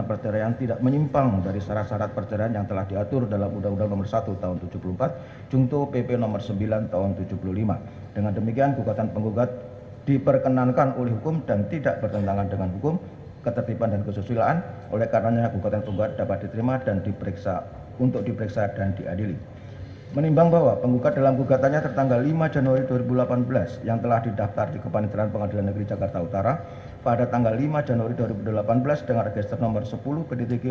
pertama penggugat akan menerjakan waktu yang cukup untuk menerjakan si anak anak tersebut yang telah menjadi ilustrasi